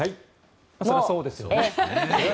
それはそうですよね。